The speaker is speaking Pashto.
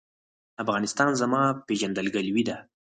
افغانستان زما پیژندګلوي ده؟